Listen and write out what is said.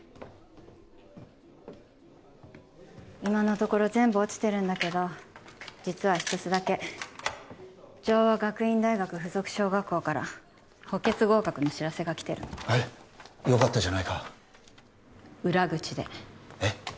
今のところ全部落ちてるんだけど実は一つだけ城和学院大学附属小学校から補欠合格の知らせがきてるのえっよかったじゃないか裏口でえっ？